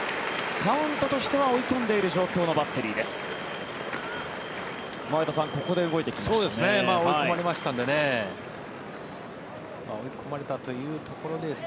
カウントとしては追い込んでいる状況のバッテリーです。